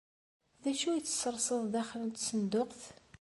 D acu i tserseḍ daxel n tsenduqt?